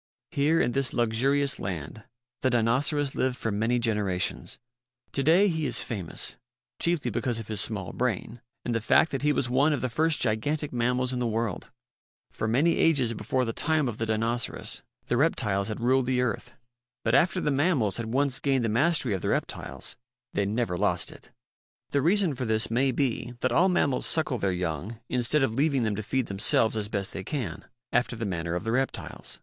Here, in this luxurious land, the Dinoceras lived for many generations. To day he is famous, chiefly because of his small brain and the fact that he was one of the first gigantic mammals in the world. For many ages before the time of the Dinoceras, the rep tiles had ruled the earth, but after the mammals had once gained the mastery of the reptiles, they DINOCERAS (After H. F. Osborn. Original in American Museum of Natural History) 96 MIGHTY ANIMALS never lost it. The reason for this may be that all mammals suckle their young instead of leaving them to feed themselves as best they can, after the manner of the reptiles.